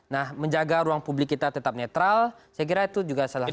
nah menjaga ruang publik kita tetap netral saya kira itu juga salah satu